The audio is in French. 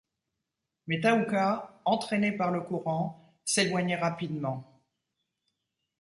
Mais Thaouka, entraîné par le courant, s’éloignait rapidement.